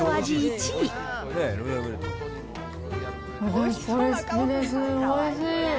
私、これ好きです、おいしい。